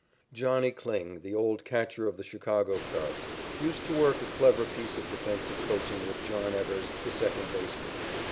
"Johnnie" Kling, the old catcher of the Chicago Cubs, used to work a clever piece of defensive coaching with John Evers, the second baseman.